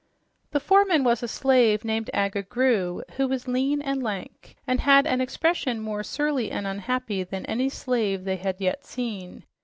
The foreman was a slave named Agga Groo, who was lean and lank and had an expression more surly and unhappy than any slave they had yet seen.